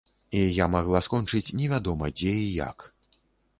І я магла скончыць невядома дзе і як.